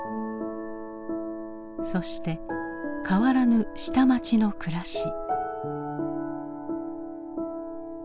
そして変わらぬ下町の暮らし。